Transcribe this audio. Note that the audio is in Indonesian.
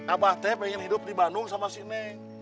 abah teh pengen hidup di bandung sama si neng